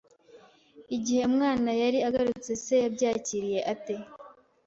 Igihe umwana yari agarutse, se yabyakiriye ate